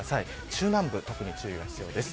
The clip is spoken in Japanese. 中南部、特に注意が必要です。